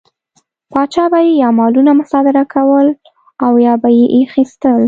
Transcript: پاچا به یې یا مالونه مصادره کول او یا به یې اخیستل.